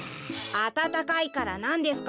あたたかいからなんですか？